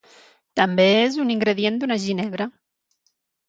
També és un ingredient d'una ginebra.